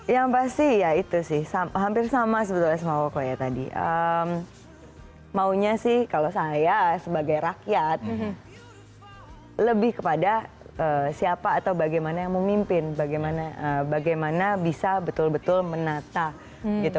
yang pasti ya itu sih hampir sama sebetulnya sama kok ya tadi maunya sih kalau saya sebagai rakyat lebih kepada siapa atau bagaimana yang memimpin bagaimana bisa betul betul menata gitu